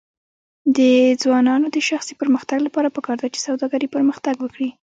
د ځوانانو د شخصي پرمختګ لپاره پکار ده چې سوداګري پرمختګ ورکړي.